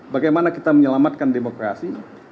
bagaimana kita menyelamatkan demokrasi